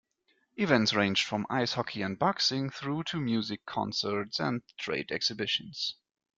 Events ranged from ice hockey and boxing through to music concerts and trade exhibitions.